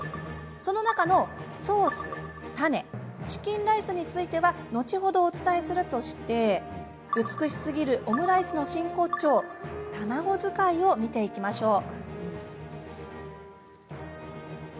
その中のソース、タネチキンライスについては後ほどお伝えするとして美しすぎるオムライスの真骨頂卵使いを見ていきましょう。